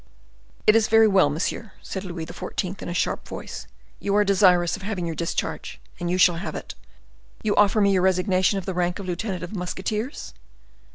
"It is very well, monsieur," said Louis XIV., in a sharp voice; "you are desirous of having your discharge, and you shall have it. You offer me your resignation of the rank of lieutenant of the musketeers?"